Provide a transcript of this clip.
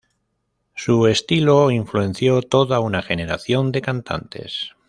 Su estilo influenció toda una generación de cantantes.